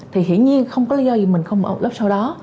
thì hiển nhiên không có lý do gì mình không ở lớp sau đó